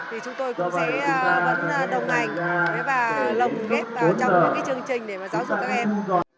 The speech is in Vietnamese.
thì chúng tôi cũng sẽ vẫn đồng hành và lồng ghép trong các chương trình để giáo dục các em